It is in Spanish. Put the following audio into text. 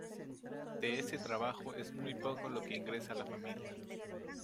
De este trabajo es muy poco lo que ingresa la familia.